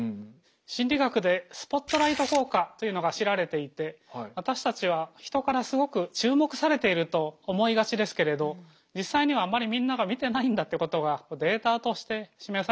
心理学でスポットライト効果というのが知られていて私たちは人からすごく注目されていると思いがちですけれど実際にはあんまりみんなが見てないんだってことがデータとして示されています。